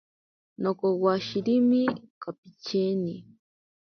Nokowashirimi kapicheni.